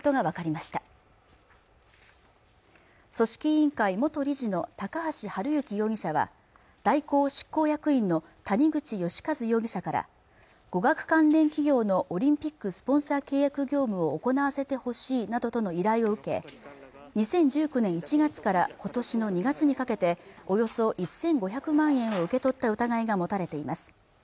委員会元理事の高橋治之容疑者は大広執行役員の谷口義一容疑者から語学関連企業のオリンピックスポンサー契約業務を行わせてほしいなどとの依頼を受け２０１９年１月から今年の２月にかけておよそ１５００万円を受け取った疑いが持たれています